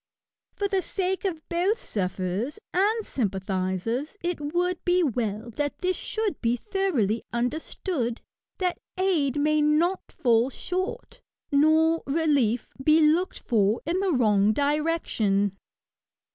For the sake of both sufferers and sympathisers^ it would be well that this should be thoroughly understood, that aid may not fall shorty nor relief be looked for in the wrong direction.